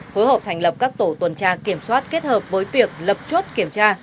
phối hợp thành lập các tổ tuần tra kiểm soát kết hợp với việc lập chốt kiểm tra